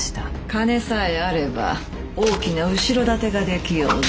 金さえあれば大きな後ろ盾ができようぞ。